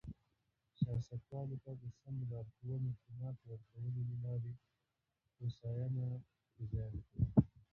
سیاستوالو ته د سمو لارښوونو قناعت ورکولو له لارې هوساینه ډیزاین کړو.